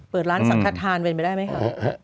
เปิดร้านสังขทานเป็นไปได้ไหมคะ